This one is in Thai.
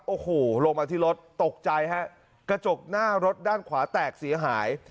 โอ้โหลงมาที่รถตกใจฮะกระจกหน้ารถด้านขวาแตกเสียหาย